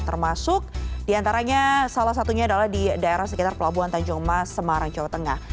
termasuk diantaranya salah satunya adalah di daerah sekitar pelabuhan tanjung mas semarang jawa tengah